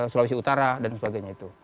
sulawesi utara dan sebagainya itu